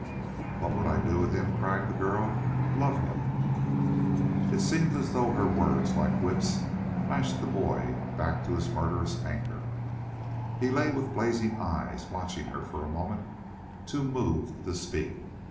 "What would I do with him?" cried the girl. "Love him!" It seemed as though her words, like whips, lashed the boy back to his murderous anger. He lay with blazing eyes, watching her for a moment, too moved to speak.